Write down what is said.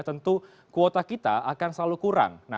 tentu kuota kita akan selalu kurang